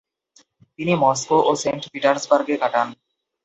তিনি মস্কো ও সেন্ট পিটার্সবার্গে কাটান।